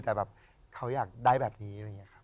แต่ให้เขาได้แบบนี้